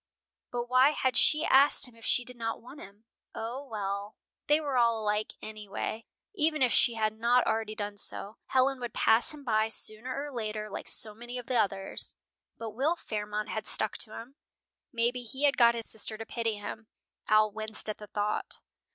But why had she asked him if she did not want him? O, well, they were all alike anyway! Even if she had not already done so, Helen would pass him by sooner or later, like so many of the others. But Will Fairmont had stuck to him. Maybe he had got his sister to pity him. Al winced at the thought.